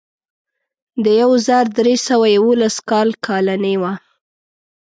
د یو زر درې سوه یوولس کال کالنۍ وه.